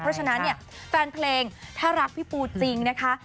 เพราะฉะนั้นเนี่ยแฟนเพลงถ้ารักพี่ปูจริงนะคะ